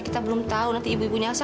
kita belum tahu nanti ibu ibu nyasar